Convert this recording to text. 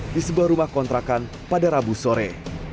di sebuah rumah kontrakan pada rabu sore